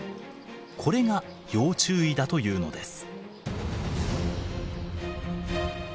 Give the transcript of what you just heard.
これが要注意だというのです。